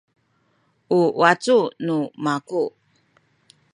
u wacu nu maku